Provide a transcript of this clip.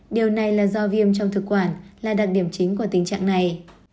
điều này là do viêm trong thực quản là đặc điểm chính của tình trạng này